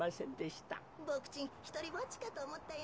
ボクちんひとりぼっちかとおもったよ。